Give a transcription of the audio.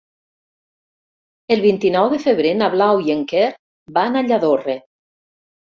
El vint-i-nou de febrer na Blau i en Quer van a Lladorre.